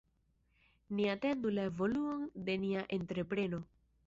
Ni atendu la evoluon de nia entrepreno.